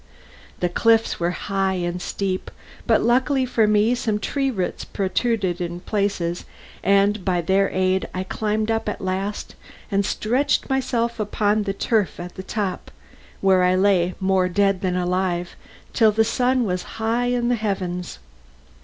The cliffs were high and steep, but luckily for me some tree roots protruded in places, and by their aid I climbed up at last, and stretched myself upon the turf at the top, where I lay, more dead than alive, till the sun was high in the heavens.